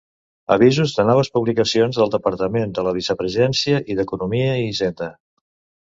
Avisos de noves publicacions del Departament de la Vicepresidència i d'Economia i Hisenda.